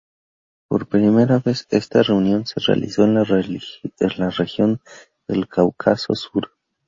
Por primera vez esta reunion se realizó en la región del Cáucaso Sur.